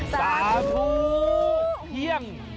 สาธุเที่ยง